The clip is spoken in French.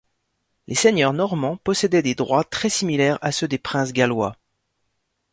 Les seigneurs normands possédaient des droits très similaires à ceux des princes gallois.